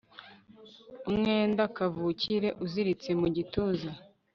umwenda kavukire uziritse mu gituza